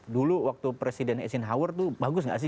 dulu waktu presiden eisenhower tuh bagus nggak sih